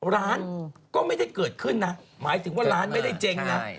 ร้านก็ไม่ได้เกิดขึ้นนะหมายถึงว่าร้านไม่ได้เจ๊งนะ